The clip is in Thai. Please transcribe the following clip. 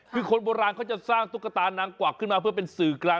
คือคนโบราณเขาจะสร้างตุ๊กตานางกวักขึ้นมาเพื่อเป็นสื่อกลาง